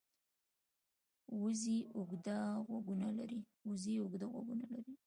وزې اوږده غوږونه لري